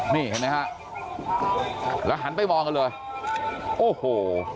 นี่เห็นไหมฮะแล้วหันไปมองกันเลยโอ้โห